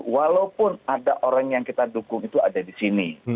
walaupun ada orang yang kita dukung itu ada disini